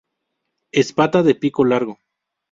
Espata de pico largo.